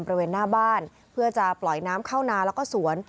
บริเวณหน้าบ้านเพื่อจะปล่อยน้ำเข้านาแล้วก็สวน